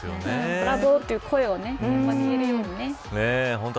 ブラボーという声を言えるように。